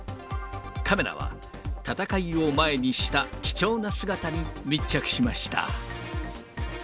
カメラは戦いを前にした貴重な姿に密着しました。